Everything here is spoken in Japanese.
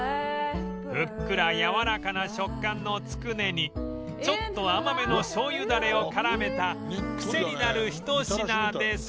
ふっくらやわらかな食感のつくねにちょっと甘めの醤油だれを絡めたクセになるひと品です